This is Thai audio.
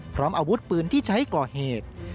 พร้อมอาวุธปืนที่ใช้ก่อเหตุ